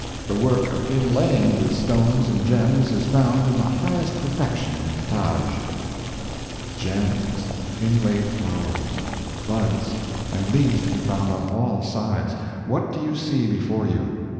"The work of inlaying with stones and gems is found in the highest perfection in the Taj." Gems, inlaid flowers, buds, and leaves to be found on all sides. What do you see before you?